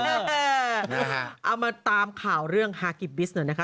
เอามาตามข่าวเรื่องฮากิบิสหน่อยนะคะ